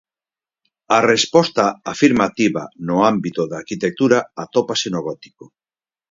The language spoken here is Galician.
A resposta afirmativa no ámbito da arquitectura atópase no Gótico.